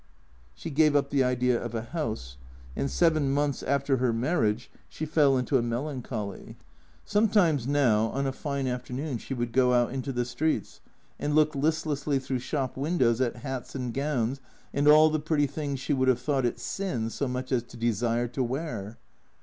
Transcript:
She gave up the idea of a house ; and seven months after her marriage, she fell into a melancholy. 133 T H E C R E A T 0 E S Sometimes, now, on a fine afternoon, she would go out into the streets and look listlessly through shop windows at hats and gowns and all the pretty things she would have thought it sin so much as to desire to wear.